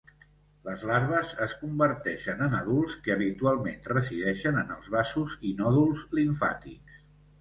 Les larves es converteixen en adults que habitualment resideixen en els vasos i nòduls limfàtics.